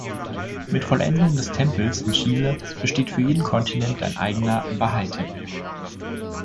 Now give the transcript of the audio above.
Mit Vollendung des Tempels in Chile, besteht für jeden Kontinent ein eigener Bahai-Tempel.